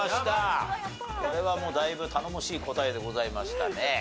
これはもうだいぶ頼もしい答えでございましたね。